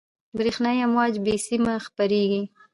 برېښنایي امواج بې سیمه خپرېږي.